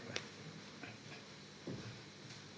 mungkin itu yang ingin saya sampaikan terima kasih banyak